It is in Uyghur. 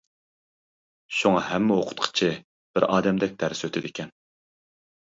شۇڭا ھەممە ئوقۇتقۇچى بىر ئادەمدەك دەرس ئۆتىدىكەن.